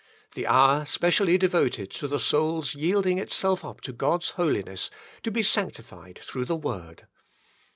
The hour specially devoted to the Soul's yielding itself up to God's holiness, to be sanctified through the Word.